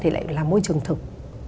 thì lại là môi trường thực